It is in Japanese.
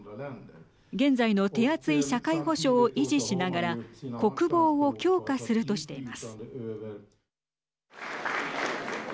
現在の手厚い社会保障を維持しながら国防を強化するとしています。